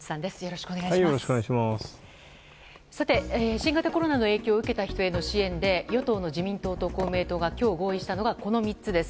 新型コロナの影響を受けた人への支援で与党の自民党と公明党が今日、合意したのがこの３つです。